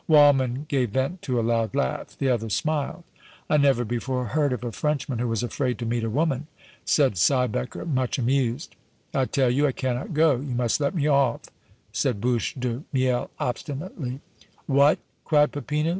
Waldmann gave vent to a loud laugh; the others smiled. "I never before heard of a Frenchman who was afraid to meet a woman!" said Siebecker, much amused. "I tell you I cannot go; you must let me off," said Bouche de Miel, obstinately. "What!" cried Peppino.